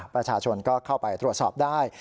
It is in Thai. ประชาชนก็เข้าไปตรวจสอบได้